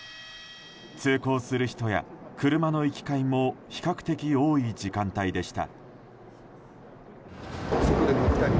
通行する人や車の行き交いも比較的多い時間帯でした。